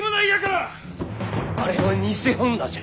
あれは偽本多じゃ！